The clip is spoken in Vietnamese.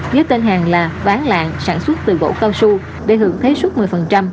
với tên hàng là bán lạng sản xuất từ gỗ cao su để hưởng thế suất một mươi